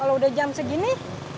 udah jam segini